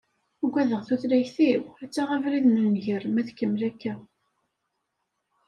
Uggadeɣ tutlayt-iw ad taɣ abrid n nnger ma tkemmel akka.